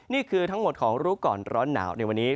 นี่คือทั้งหมดของรู้ก่อนร้อนหนาวในวันนี้